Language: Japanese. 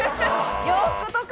洋服とか？